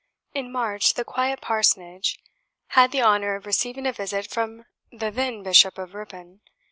In March the quiet Parsonage had the honour of receiving a visit from the then Bishop of Ripon.